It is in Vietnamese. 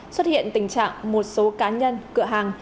xuất hiện tình trạng một số cá nhân cửa hàng